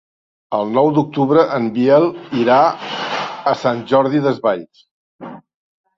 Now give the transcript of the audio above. El nou d'octubre en Biel irà a Sant Jordi Desvalls.